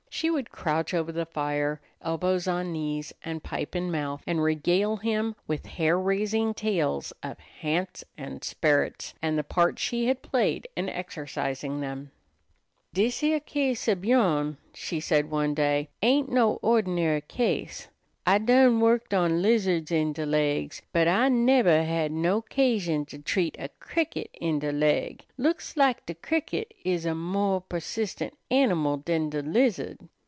She would crouch over the fire, elbows on knees and pipe in mouth, and regale him with hair raising tales of "hants" and "sperrits" and the part she had played in exorcising them. "Dis heah case ob yourn," she said one day, "ain't no ordinary case. I done worked on lizards in de laigs, but I nebber had no 'casion to treat a cricket in de laig. Looks lak de cricket is a more persistent animal dan de lizard.